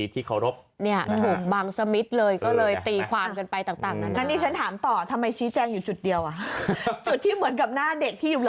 ที่อยู่ตรงบอทเนอท์ไตล์